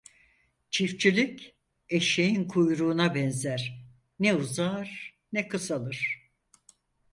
Çiftçilik, eşeğin kuyruğuna benzer, ne uzar ne kısalır.